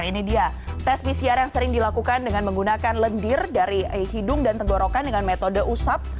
ini dia tes pcr yang sering dilakukan dengan menggunakan lendir dari hidung dan tenggorokan dengan metode usap